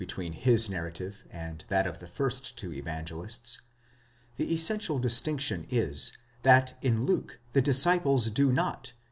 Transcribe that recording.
between his narrative and that of the first two Evangelists ; the essential distinction is, that in Luke the disciples do not